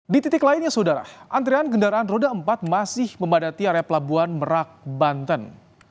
di titik lainnya saudara antrian kendaraan roda empat masih memadati area pelabuhan merak banten